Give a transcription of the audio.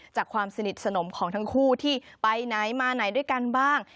ความสนิทสนมของทั้งคู่ที่ไปไหนมาไหนด้วยกันบ้าง